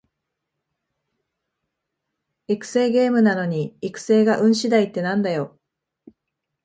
育成ゲームなのに育成が運しだいってなんだよ